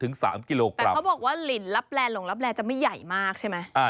แต่เขาบอกว่าหลินลับแลหลงลับแลจะไม่ใหญ่มากใช่ไหม